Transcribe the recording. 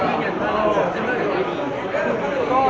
อย่างกับมันก็